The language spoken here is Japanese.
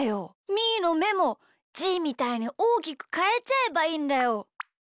みーのめもじーみたいにおおきくかえちゃえばいいんだよ。